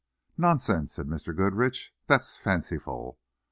"Nonsense!" said Mr. Goodrich. "That's fanciful.